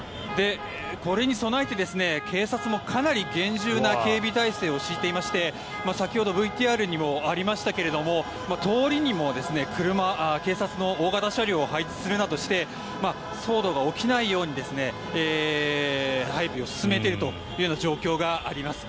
これに備えて警察もかなり厳重な警備態勢を敷いていまして先ほどＶＴＲにもありましたが通りにも車、警察の大型車両を配置するなどして騒動が起きないように配備を進めているという状況があります。